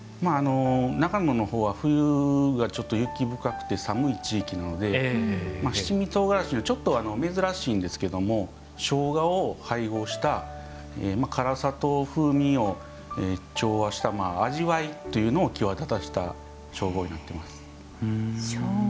長野のほうは、冬が雪深くて寒い地域なので七味唐辛子にはちょっと珍しいんですけどしょうがを配合した辛さと風味を調和した味わいというのを際立たせた調合になっています。